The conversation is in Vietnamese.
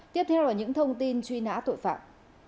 tiếp theo là những thông tin truy nã tội phạm